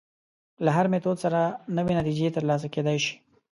له هر میتود سره نوې نتیجې تر لاسه کېدای شي.